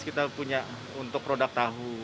kita punya untuk produk tahu